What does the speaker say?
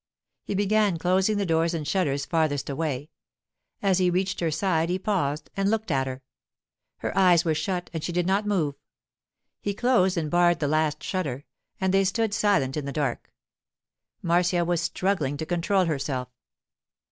He began closing the doors and shutters farthest away. As he reached her side he paused and looked at her. Her eyes were shut and she did not move. He closed and barred the last shutter, and they stood silent in the dark. Marcia was struggling to control herself.